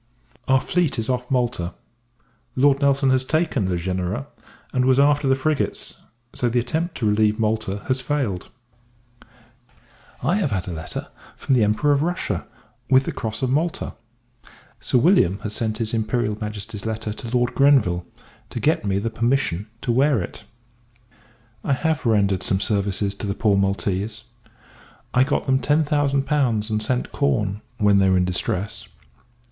Our fleet is off Malta: Lord Nelson has taken Le Genereux, and was after the frigates; so the attempt to relieve Malta has failed. I have had a letter from the Emperor of Russia, with the Cross of Malta. Sir William has sent his Imperial Majesty's letter to Lord Grenville, to get me the permission to wear it. I have rendered some services to the poor Maltese. I got them ten thousand pounds, and sent corn when they were in distress.